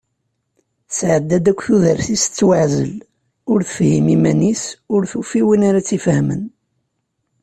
Tesεedda-d akk tudert-is tettwaεzel, ur tefhim iman-is, ur tufi win ara tt-ifehmen.